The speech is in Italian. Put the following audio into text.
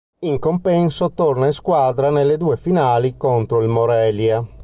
In compenso torna in squadra nelle due finali contro il Morelia.